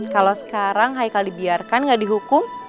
kalo sekarang haikal dibiarkan gak dihukum